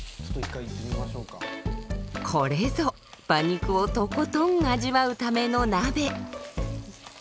これぞ馬肉をとことん味わうための鍋。